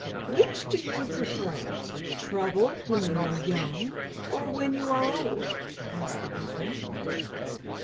"Which do you prefer, trouble when you are young or when you are old?" asked the eagle.